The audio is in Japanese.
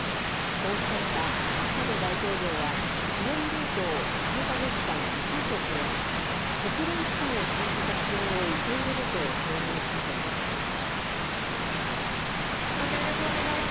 こうした中、アサド大統領は、支援ルートを３か月間、２か所増やし、国連機関を通じた支援を受け入れると表明したということです。